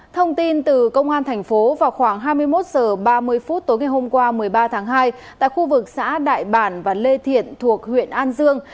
thông tin từ công an thành phố vào khoảng hai mươi một h ba mươi phút tối ngày hôm qua một mươi ba tháng hai tại khu vực xã đại bản và lê thiện thuộc huyện an dương